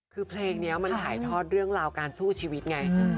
คือเพลงนี้มันถ่ายทอดเรื่องราวการสู้ชีวิตไง